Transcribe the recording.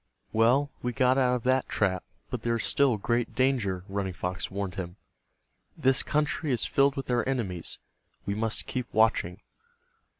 "Well, we got out of that trap, but there is still great danger," Running Fox warned him. "This country is filled with our enemies. We must keep watching."